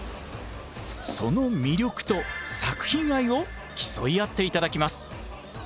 その魅力と作品愛を競い合って頂きます。